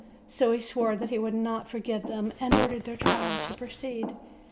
So he swore that he would not forgive them, and ordered their trial to proceed.